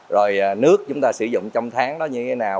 rồi nước chúng ta sử dụng trong tháng đó như thế nào